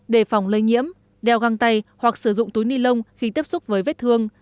đề phòng lây nhiễm đeo găng tay hoặc sử dụng túi ni lông khi tiếp xúc với vết thương